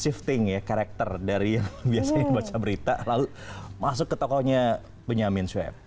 shifting ya karakter dari yang biasanya baca berita lalu masuk ke tokohnya benyamin sueb